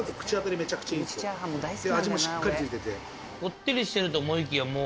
こってりしてると思いきやもう。